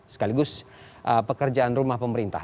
sekaligus pekerjaan rumah pemerintah